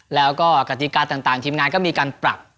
แล้วก็กติกาต่างทีมงานก็มีการปรับ